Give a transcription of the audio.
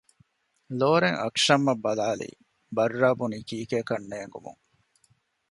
ލޯރެން އަކްޝަމް އަށް ބަލާލީ ބައްރާ ބުނީ ކީކޭކަން ނޭނގުމުން